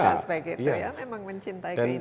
memang mencintai keindahan